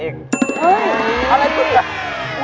เฮ้ยอะไรนี่